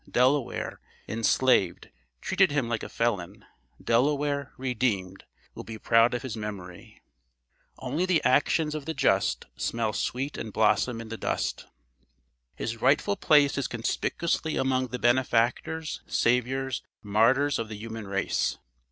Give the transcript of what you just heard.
Delaware, enslaved, treated him like a felon; Delaware, redeemed, will be proud of his memory. "Only the actions of the just Smell sweet and blossom in the dust." His rightful place is conspicuously among the benefactors, saviours, martyrs of the human race.